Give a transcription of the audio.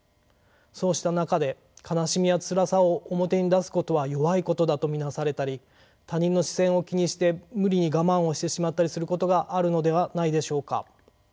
そうした中で悲しみやつらさを表に出すことは弱いことだと見なされたり他人の視線を気にして無理に我慢をしてしまったりすることがあるのではないでしょうか。